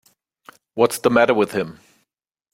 What's the matter with him.